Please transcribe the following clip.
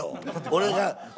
俺が。